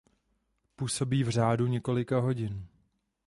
Působí v řádu několika hodin.